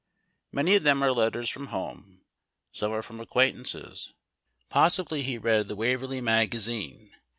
Many of them are letters from home ; some are from acquaint ances. Possibly he read the Waverly Magazine.